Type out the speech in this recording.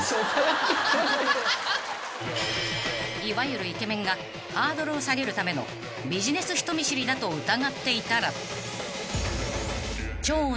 ［いわゆるイケメンがハードルを下げるためのビジネス人見知りだと疑っていたら超ネガティブ